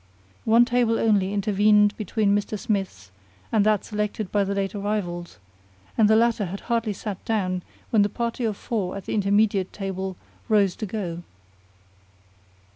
One table only intervened between Mr. Smith's and that selected by the late arrivals, and the latter had hardly sat down when the party of four at the intermediate table rose to go.